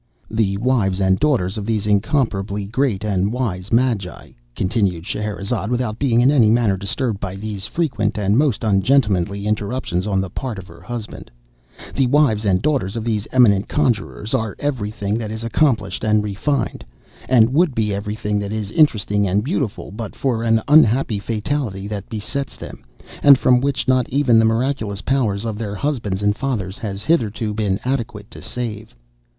"'The wives and daughters of these incomparably great and wise magi,'" continued Scheherazade, without being in any manner disturbed by these frequent and most ungentlemanly interruptions on the part of her husband—"'the wives and daughters of these eminent conjurers are every thing that is accomplished and refined; and would be every thing that is interesting and beautiful, but for an unhappy fatality that besets them, and from which not even the miraculous powers of their husbands and fathers has, hitherto, been adequate to save.